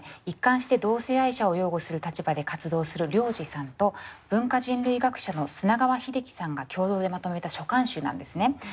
一貫して同性愛者を擁護する立場で活動するＲＹＯＪＩさんと文化人類学者の砂川秀樹さんが共同でまとめた書簡集なんですね。